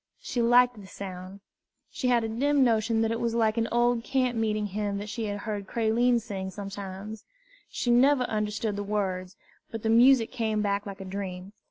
She liked the sound. She had a dim notion that it was like an old camp meeting hymn that she had heard Creline sing sometimes. She never understood the words, but the music came back like a dream.